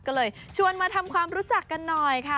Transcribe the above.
ก็เลยชวนมาทำความรู้จักกันหน่อยค่ะ